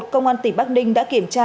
công an tỉnh bắc ninh đã kiểm tra